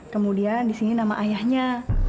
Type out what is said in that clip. kemudian di sini nama ayahnya